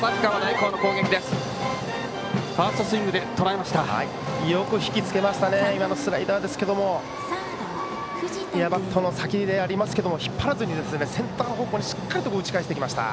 今のはスライダーですがバットの先でしたが引っ張らずにセンター方向にしっかり打ち返しました。